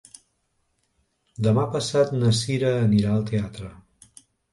Demà passat na Cira anirà al teatre.